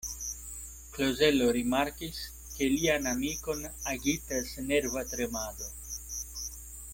Klozelo rimarkis, ke lian amikon agitas nerva tremado.